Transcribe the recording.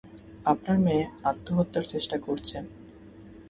আপনার মেয়ে আত্মহত্যার চেষ্টা করছে।